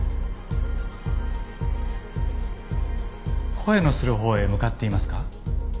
声のするほうへ向かっていますか？